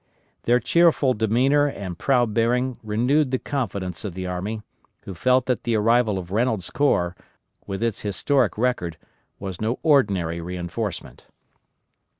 Their cheerful demeanor and proud bearing renewed the confidence of the army, who felt that the arrival of Reynolds' corps, with its historic record, was no ordinary reinforcement.